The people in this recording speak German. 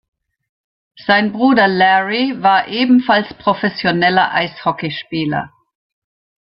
Sein Bruder Larry war ebenfalls professioneller Eishockeyspieler.